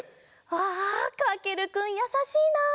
うわかけるくんやさしいな！